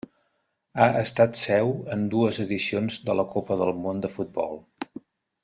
Ha estat seu en dues edicions de la Copa del Món de futbol.